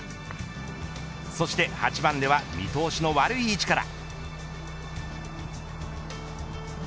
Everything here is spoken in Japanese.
そして８番では見通しの悪い位置から。